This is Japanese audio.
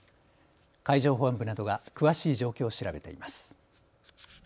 海上保安部などが詳しい状況を調べています。